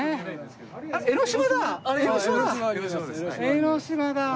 江の島だ。